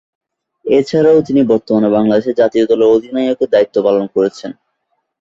এছাড়াও তিনি বর্তমানে বাংলাদেশ জাতীয় দলের অধিনায়কের দায়িত্ব পালন করছেন।